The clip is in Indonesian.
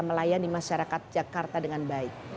melayani masyarakat jakarta dengan baik